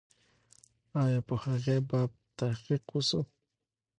آیا په هغې باب تحقیق و سو؟